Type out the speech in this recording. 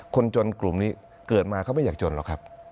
คนจนกลุ่มนี้เกิดมาเขาไม่อยากจนหรอกครับ